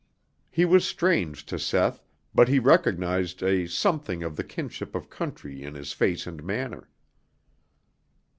He was strange to Seth, but he recognized a something of the kinship of country in his face and manner.